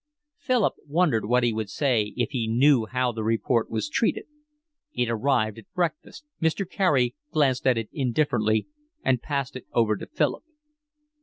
Philip wondered what he would say if he knew how the report was treated. It arrived at breakfast, Mr. Carey glanced at it indifferently, and passed it over to Philip.